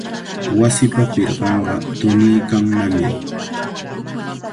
Wasipa pirqanqa tuniykannami.